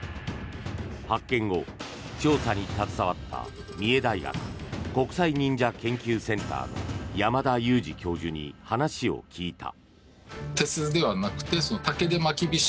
発見後、調査に携わった三重大学国際忍者研究センターの山田雄司教授に話を聞いた。